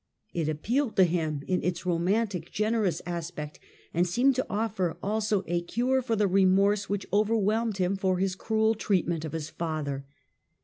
It appealed to him in accession. j^g romantic, generous aspect, and seemed to offer also a cure for the remorse which overwhelmed him for his cruel treatment of his father.